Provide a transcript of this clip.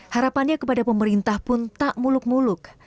harapannya kepada pemerintah pun tak muluk muluk